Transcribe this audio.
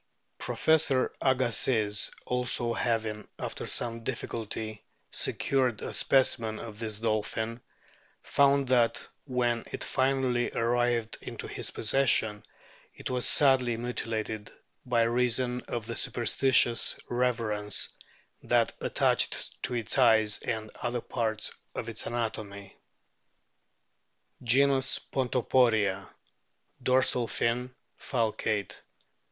Professor Agassiz also having, after some difficulty, secured a specimen of this dolphin, found that, when it finally arrived into his possession, it was sadly mutilated by reason of the superstitious reverence that attached to its eyes and to other parts of its anatomy. Genus PONTOPORIA. Dorsal fin falcate.